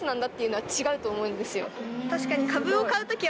確かに。